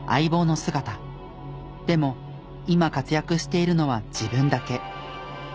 でも今活躍しているのは自分だけ。